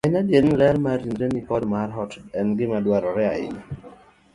En adier ni, ler mar ringreni koda mar ot, en gima dwarore ahinya.